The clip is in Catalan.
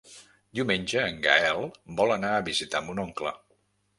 Diumenge en Gaël vol anar a visitar mon oncle.